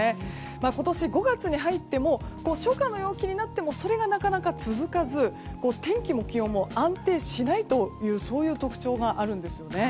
今年、５月に入っても初夏の陽気になってもそれがなかなか続かず天気も気温も安定しないという特徴があるんです。